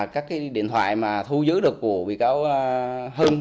các điện thoại mà thu giữ được của bị cáo hưng